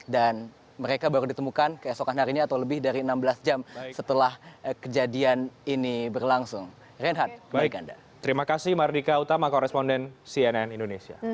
dan mereka baru ditemukan keesokan harinya atau lebih dari enam belas jam setelah kejadian ini